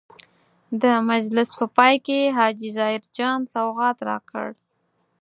د مجلس په پای کې حاجي ظاهر جان سوغات راکړ.